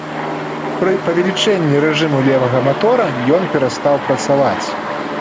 Пры павелічэнні рэжыму левага матора ён перастаў працаваць.